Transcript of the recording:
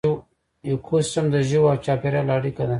ایکوسیسټم د ژویو او چاپیریال اړیکه ده